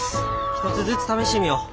１つずつ試してみよう。